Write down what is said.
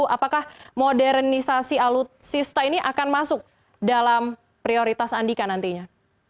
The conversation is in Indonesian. apakah modernisasi alutsista ini akan masuk dalam prioritas andika nantinya